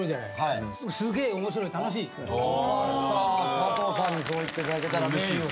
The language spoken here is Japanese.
加藤さんにそう言っていただけたら名誉。